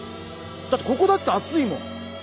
だってここだって熱いもん。